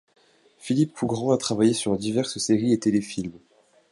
Philippe Cougrand a travaillé sur diverses séries et téléfilms.